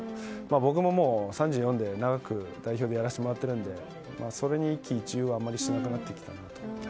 僕ももう３４で、長く代表でやらせてもらってるのでそれに一喜一憂はあまりしなくなってきたかなと。